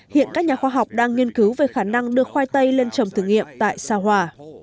hiện các nhà khoa học đang nghiên cứu về khả năng đưa khoai tây lên trồng thử nghiệm tại sao hòa